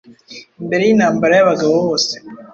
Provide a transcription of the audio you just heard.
imbere yintambara-yabagabo bose